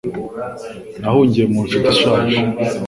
nahungiye mu nshuti ishaje